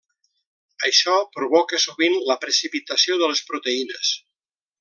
Això provoca sovint la precipitació de les proteïnes.